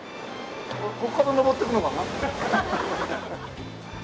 ここから上っていくのかな？